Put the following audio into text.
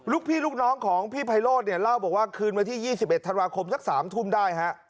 ลูกพี่ลูกน้องของพี่ไพโรธเนี่ยเล่าบอกว่าคืนวันที่๒๑ธันวาคมสัก๓ทุ่มได้ฮะ